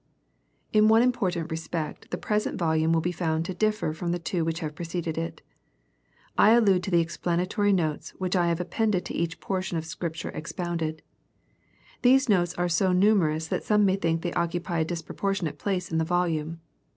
In one important respect the present volume will be tbund to differ from the two which have preceded it. 2 allude to the explanatory notes which I have appended rJj to each portion of Scripture expoun&ed. These notes \ are so numerous that some may think they occupy a \ disproportionate place in the volume.